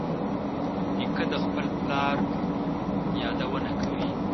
نیکه د خپل پلار یادونه کوي.